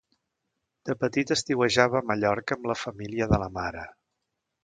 De petita estiuejava a Mallorca amb la família de la mare.